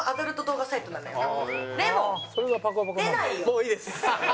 「もういいです」